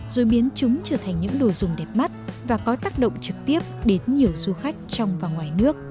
rồi biến chúng trở thành những đồ dùng đẹp mắt và có tác động trực tiếp đến nhiều du khách trong và ngoài nước